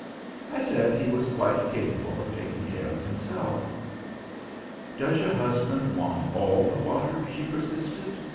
I said he was quite capable of taking care of himself. "Does your husband want all the water?" she persisted.